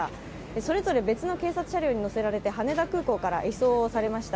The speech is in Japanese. それぞれ別の警察車両に乗せられて、羽田空港から移送されました、